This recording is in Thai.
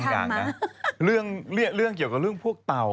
เกินค่ะ